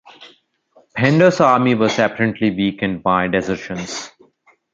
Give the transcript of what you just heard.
Penda's army was apparently weakened by desertions.